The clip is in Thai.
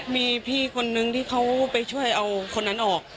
มีพี่คนนึงที่เขาไปช่วยเอาคนนั้นออก